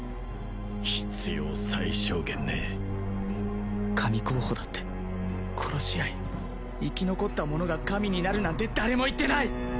必要最小限ね神候補だって殺し合い生き残った者が神になるなんて誰も言ってない！